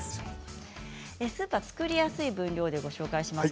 作りやすい分量でご紹介します。